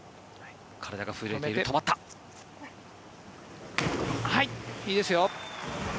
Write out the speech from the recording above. いいですよ。